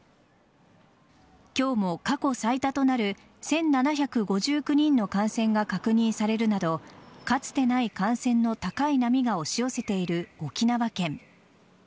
今日も過去最多となる１７５９人の感染が確認されるなどかつてない感染の高い波が押し寄せている沖縄県。